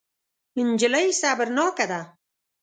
نجلۍ صبرناکه ده.